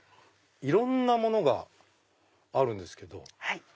いろんなものがあるんですけど。